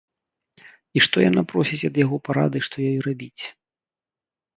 І што яна просіць ад яго парады што ёй рабіць.